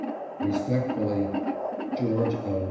Respectfully, GEORGE L.